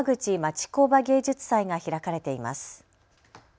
ちこうば芸術祭が開かれています。